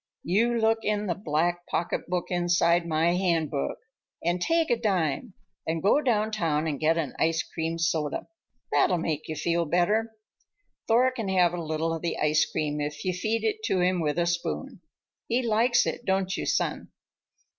You look in the black pocketbook inside my handbag and take a dime and go downtown and get an ice cream soda. That'll make you feel better. Thor can have a little of the ice cream if you feed it to him with a spoon. He likes it, don't you, son?"